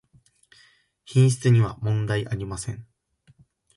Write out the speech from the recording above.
品質にはもんだいありません